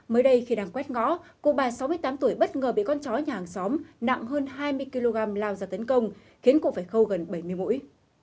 mới đây khi đang quét ngõ cụ bà sáu mươi tám tuổi bất ngờ bị con chó nhà hàng xóm nặng hơn hai mươi kg lao ra tấn công khiến cụ phải khâu gần bảy mươi mũi